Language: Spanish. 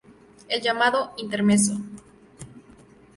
El llamado "Intermezzo".